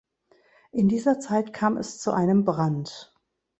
In dieser Zeit kam es zu einem Brand.